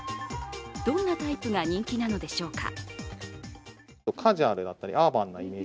どんなタイプが人気なのでしょうか。